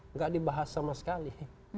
nggak dibahas sama sekali